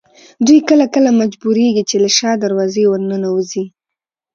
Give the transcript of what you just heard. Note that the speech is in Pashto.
دوی کله کله مجبورېږي چې له شا دروازې ورننوځي.